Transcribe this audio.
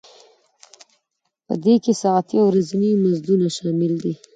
په دې کې ساعتي او ورځني مزدونه شامل دي